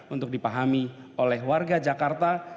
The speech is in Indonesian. untuk dipahami oleh warga jakarta